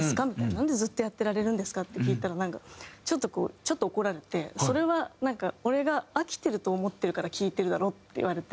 「なんでずっとやってられるんですか？」って聞いたらなんかちょっと怒られて「それはなんか俺が飽きてると思ってるから聞いてるだろ？」って言われて。